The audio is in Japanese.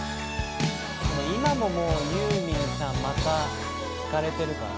今ももうユーミンさんまた聴かれてるから。